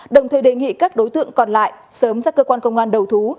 đồng thời đề nghị các đối tượng còn lại sớm ra cơ quan công an đầu thú